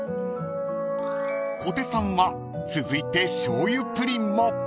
［小手さんは続いてしょうゆプリンも］